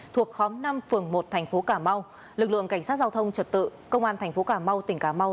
thuộc khóm năm phường một thành phố cà mau lực lượng cảnh sát giao thông trật tự công an thành phố cà mau tỉnh cà mau